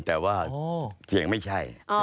แต่ว่าเสียงไม่ใช่